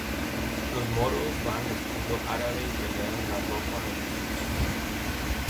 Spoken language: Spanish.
Los moros van estilo árabe y pelean la ropa de Jesus.